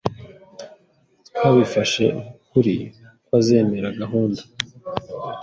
Twabifashe nk'ukuri ko azemera gahunda.